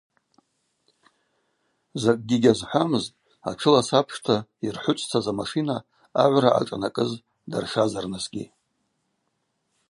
Закӏгьи гьазхӏвамызтӏ, атшылас апшта йырхӏвычӏвцаз амашина агӏвра ъашӏанакӏыз даршазарнысгьи.